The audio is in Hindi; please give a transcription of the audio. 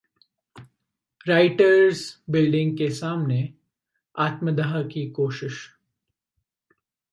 राइटर्स बिल्डिंग के सामने आत्मदाह की कोशिश